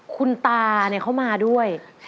คุณตาเขามาด้วย